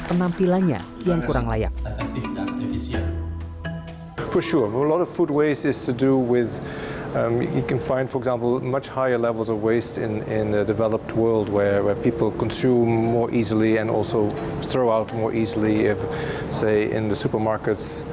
penampilannya yang kurang layak